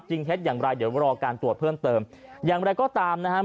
เท็จอย่างไรเดี๋ยวรอการตรวจเพิ่มเติมอย่างไรก็ตามนะครับ